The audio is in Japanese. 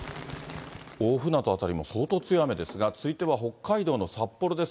大船渡辺りも相当強い雨ですが、続いては北海道の札幌です。